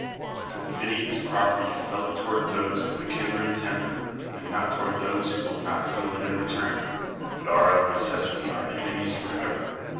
For pity is ])roperty felt towai'd those of a kindred temper, and not toward those who will not feel it in return, but are of necessity our enemies for ever.